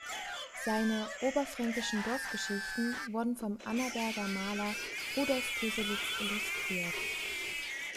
Seine "Oberfränkischen Dorfgeschichten" wurden vom Annaberger Maler Rudolf Köselitz illustriert.